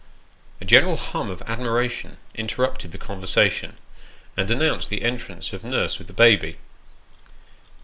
A general hum of admiration interrupted the conversation, and announced the entrance of nurse with the baby.